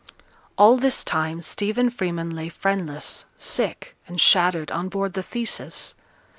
All this time Stephen Freeman lay friendless, sick, and shattered, on board the Theseus.